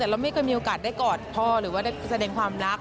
แต่เราไม่เคยมีโอกาสได้กอดพ่อหรือว่าได้แสดงความรัก